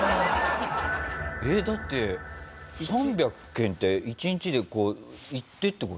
えっだって３００件って１日でこう行ってって事？